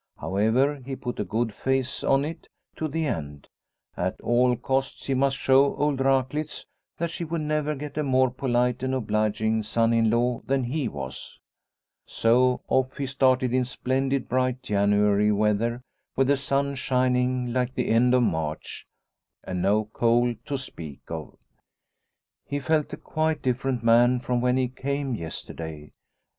However, he put a good face on it to the end ; at all costs he must show old Raklitz that she would never get a more polite and obliging son in law than 1 86 Liliecrona's Home he was. So off he started in splendid bright January weather with the sun shining like the end of March and no cold to speak of. He felt quite a different man from when he came yesterday.